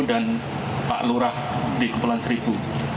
dan pak lurah di kepulauan seribu